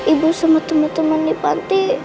ibu sama teman teman di panti